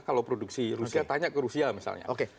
kalau produksi rusia tanya ke rusia misalnya